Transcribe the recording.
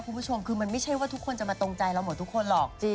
คุณผู้ชมคือมันไม่ใช่ว่าทุกคนจะมาตรงใจเราหมดทุกคนหรอก